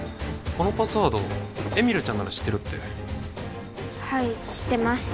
このパスワード絵美瑠ちゃんなら知ってるってはい知ってます